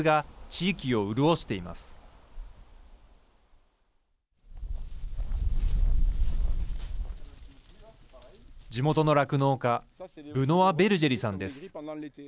地元の酪農家ブノワ・ベルジェリさんです。